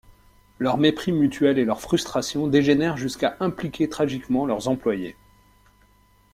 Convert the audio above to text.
Leur mépris mutuel et leur frustration dégénèrent jusqu'à impliquer tragiquement leurs employés.